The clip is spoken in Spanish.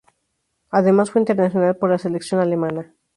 Además, fue internacional por la selección alemana.